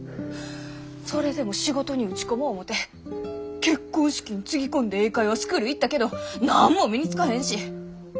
それでも仕事に打ち込もう思て結婚資金つぎ込んで英会話スクール行ったけどなんも身につかへんし。